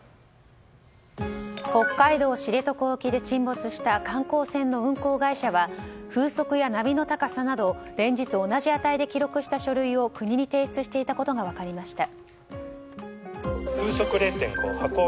北海道知床沖で沈没した観光船の運航会社は風速や波の高さなど連日同じ記録で国に提出していたことが分かりました。